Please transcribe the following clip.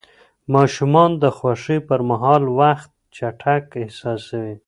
ماشومان د خوښۍ پر مهال وخت چټک احساسوي.